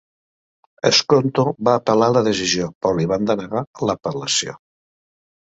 Skonto va apel·lar la decisió, però li van denegar l'apel·lació.